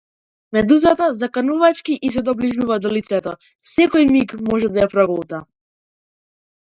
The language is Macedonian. Медузата заканувачки ѝ се доближува до лицето, секој миг може да ја проголта.